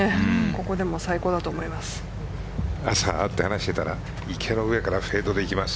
ここでもう最高だと思います。